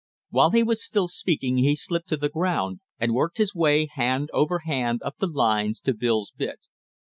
While he was still speaking he slipped to the ground and worked his way hand over hand up the lines to Bill's bit.